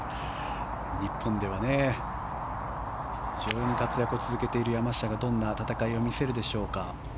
日本では非常に活躍を続けている山下がどんな戦いを見せるでしょうか。